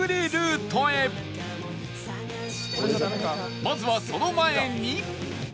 まずはその前に